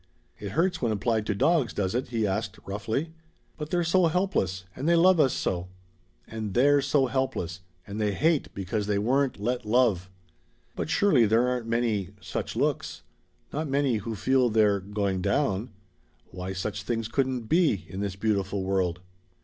"It hurts when applied to dogs, does it?" he asked roughly. "But they're so helpless and they love us so!" "And they're so helpless and they hate because they weren't let love." "But surely there aren't many such looks. Not many who feel they're going down. Why such things couldn't be in this beautiful world."